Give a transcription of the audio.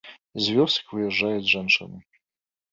З вёсак выязджаюць жанчыны.